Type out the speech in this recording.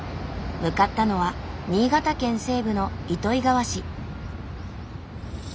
向かったのは新潟県西部の糸魚川市。